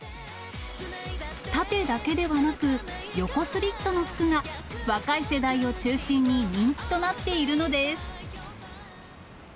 縦だけではなく、横スリットの服が、若い世代を中心に人気となっているのです。